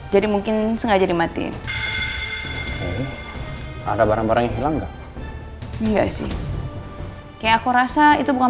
jadi mungkin sengaja dimatiin ada barang barang yang hilang nggak sih kayak aku rasa itu bukan